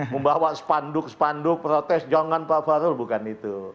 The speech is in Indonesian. membawa spanduk spanduk protes jangan pak farul bukan itu